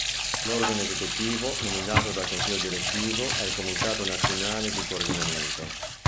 L'organo esecutivo, nominato dal Consiglio direttivo, è il Comitato nazionale di coordinamento.